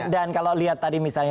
dan kalau lihat tadi misalnya